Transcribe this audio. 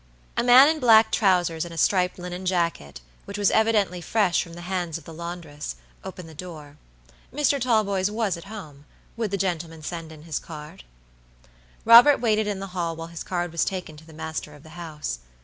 A man in black trousers and a striped linen jacket, which was evidently fresh from the hands of the laundress, opened the door. Mr. Talboys was at home. Would the gentleman send in his card? Robert waited in the hall while his card was taken to the master of the house.